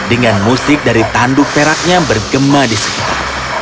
dengan musik dari tanduk peraknya bergema di sekitar